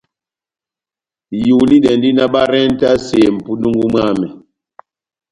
Ihulidɛndi náh barentase mʼpundungu mwámɛ.